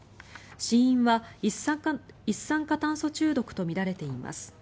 死因は一酸化炭素中毒とみられています。